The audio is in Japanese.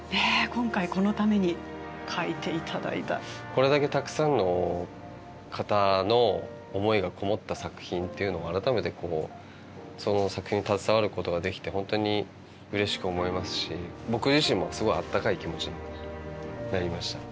これだけたくさんの方の思いがこもった作品っていうのを改めてその作品に携わることができて本当にうれしく思いますし僕自身もすごいあったかい気持ちになりました。